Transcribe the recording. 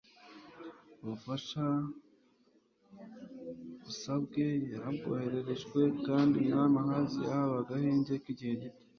ubufasha zysabye yarabwohererejwe, kandi umwami ahazi yahawe agahenge k'igihe gito